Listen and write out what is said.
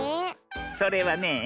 それはねえ